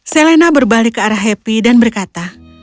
selena berbalik ke arah happy dan berkata